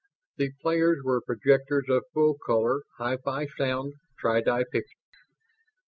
The players were projectors of full color, hi fi sound, tri di pictures.